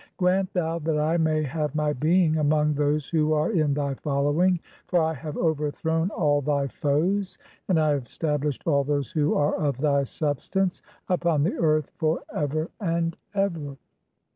(6) Grant thou that I may have my being "among those who are in thy following, for I have overthrown "all thy (7) foes, and I have stablished all those who are of "thy substance upon the earth for ever and ever."